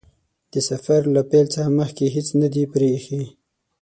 د سفر له پیل څخه مخکې هیڅ نه دي پرې ايښي.